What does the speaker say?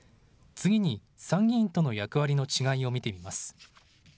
次に参議院との役割の違いを見てみます。